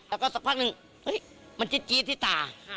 แล้วก็สักพักหนึ่งมันจี๊ดที่ตา